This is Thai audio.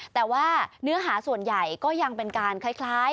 แต่ว่าเนื้อหาส่วนใหญ่ก็ยังเป็นการคล้าย